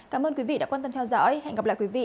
cảm ơn quý vị đã quan tâm theo dõi hẹn gặp lại quý vị